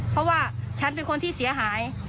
เพราะว่าฉันเป็นคนที่เสียหาย